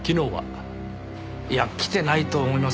いや来てないと思いますけど。